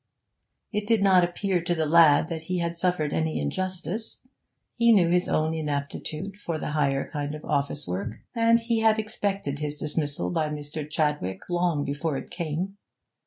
It did not appear to the lad that he had suffered any injustice. He knew his own inaptitude for the higher kind of office work, and he had expected his dismissal by Mr. Chadwick long before it came.